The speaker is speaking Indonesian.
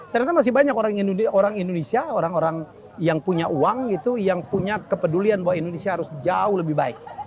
ternyata masih banyak orang indonesia orang orang yang punya uang gitu yang punya kepedulian bahwa indonesia harus jauh lebih baik